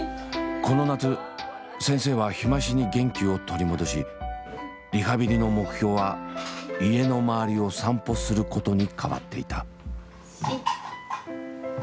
この夏先生は日増しに元気を取り戻しリハビリの目標は家の周りを散歩することに変わっていた。